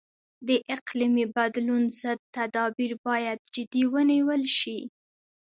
د اقلیمي بدلون ضد تدابیر باید جدي ونیول شي.